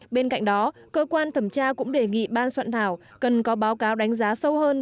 bên cạnh đó cơ quan thẩm tra cũng đề nghị ban soạn thảo cần có báo cáo đánh giá sâu hơn